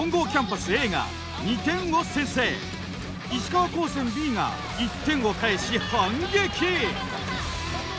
石川高専Ｂが１点を返し反撃。